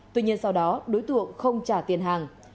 tuy nhiên sau đó đối tượng không trả tiền hàng